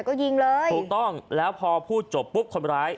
ก็ยิงเลยถูกต้องแล้วพอพูดจบปุ๊บคนร้าย